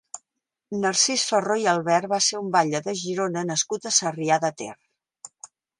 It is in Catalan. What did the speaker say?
Narcís Farró i Albert va ser un batlle de Girona nascut a Sarrià de Ter.